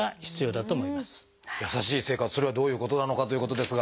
それはどういうことなのかということですが。